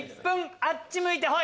あっち向いてホイ。